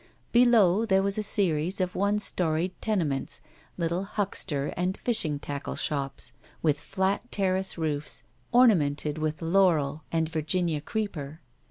Below, there was a series of one storied tenements, little huckster and fishing tackle shops, with flat terrace roofs, ornamented with laurel and Virginia creeper.